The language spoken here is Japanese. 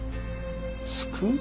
救う？